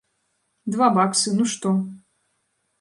Два баксы, ну што?